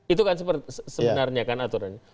itu kan sebenarnya kan aturannya